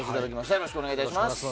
よろしくお願いします。